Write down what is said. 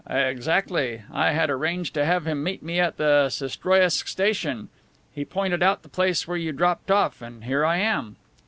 "Exactly. I had arranged to have him meet me at the Sestroriesk station. He pointed out the place where you dropped off, and here I am."